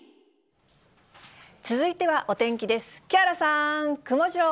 続いてはお天気です。